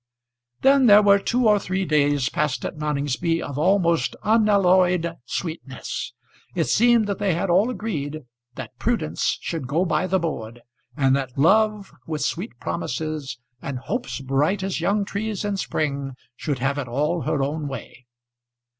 Then there were two or three days passed at Noningsby of almost unalloyed sweetness. It seemed that they had all agreed that Prudence should go by the board, and that Love with sweet promises, and hopes bright as young trees in spring, should have it all her own way.